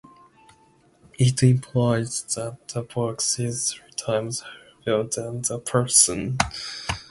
It implies that the box is three times heavier than the person.